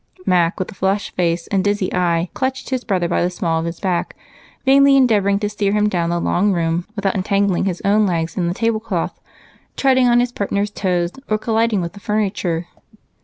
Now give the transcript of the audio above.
Mac, with a flushed face and dizzy eye, clutched his brother by the small of his back, vainly endeavoring to steer him down the long room without entangling his own legs in the tablecloth, treading on his partner's toes, or colliding with the furniture.